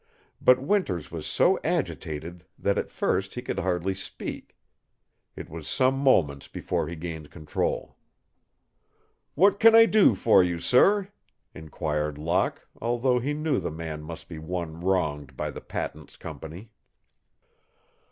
But Winters was so agitated that at first he could hardly speak. It was some moments before he gained control. "What can I do for you, sir?" inquired Locke, although he knew the man must be one wronged by the patents company.